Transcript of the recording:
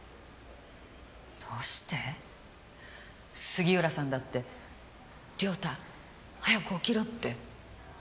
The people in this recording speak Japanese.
杉浦さんだって「良太早く起きろ」って。